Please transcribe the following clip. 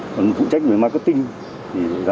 còn phụ trách về marketing